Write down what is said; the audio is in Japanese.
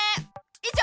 以上！